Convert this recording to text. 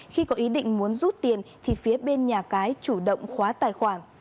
khi có ý định muốn rút tiền thì phía bên nhà cái chủ động khóa tài khoản